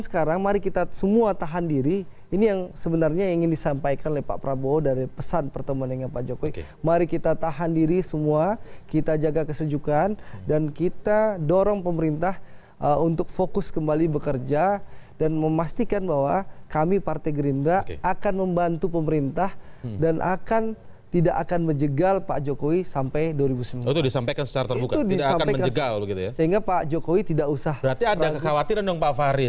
karakteristik dari kemimpinan jokowi